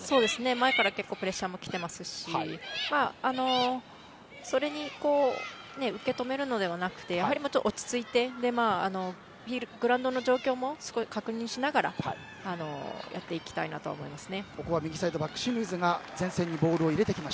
前から結構プレッシャーもきていますしそれを受け止めるのではなく落ち着いてグラウンドの状況も確認しながらやっていきたいなと思います。